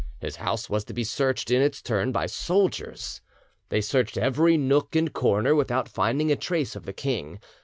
His house was to be searched in its turn by soldiers. They searched every nook and corner without finding a trace of the king.